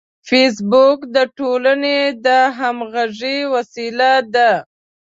فېسبوک د ټولنې د همغږۍ وسیله ده